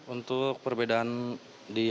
untuk perbedaan di hajaran